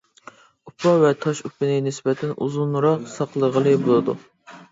ئۇپا ۋە تاش ئۇپىنى نىسبەتەن ئۇزۇنراق ساقلىغىلى بولىدۇ.